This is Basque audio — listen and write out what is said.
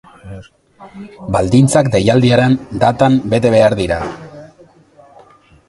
Baldintzak deialdiaren datan bete behar dira.